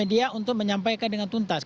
media untuk menyampaikan dengan tuntas